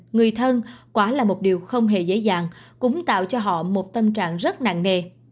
người thân quả là một điều không hề dễ dàng cũng tạo cho họ một tâm trạng rất nặng nề